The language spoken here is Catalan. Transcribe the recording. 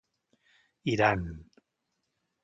Iran.